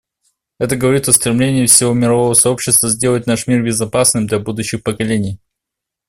Это говорит о стремлении всего мирового сообщества сделать наш мир безопасным для будущих поколений.